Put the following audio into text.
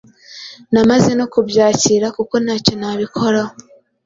Namaze no kubyakira kuko ntacyo nabikoraho.